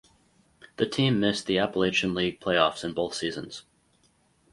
The team missed the Appalachian League playoffs in both seasons.